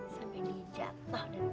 sampai dia jatah dari karusel